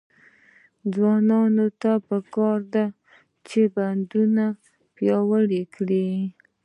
ځوانانو ته پکار ده چې، بندرونه پیاوړي کړي.